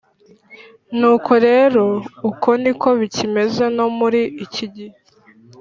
Nuko rero uko ni ko bikimeze no muri iki gihe